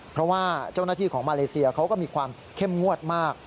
เพราะว่าเจ้าหน้าที่ของมาเลเซียเขาก็มีความเข้มงวดมาก